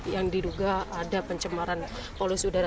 yang diduga ada pencemaran polusi udara